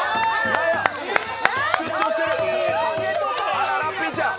あら、ラッピーちゃん！